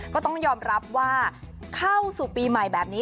ก็ต้องยอมรับว่าเข้าสู่ปีใหม่แบบนี้